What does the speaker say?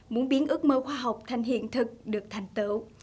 muốn biến ước mơ khoa học thành hiện thực được thành tựu